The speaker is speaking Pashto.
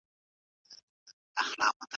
ګلالۍ چای په ډېرې مینې سره پیالو کې واچوه.